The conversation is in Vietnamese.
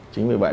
chính vì vậy